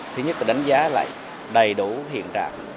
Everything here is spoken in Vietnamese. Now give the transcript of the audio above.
thứ nhất là đánh giá lại đầy đủ hiện trạng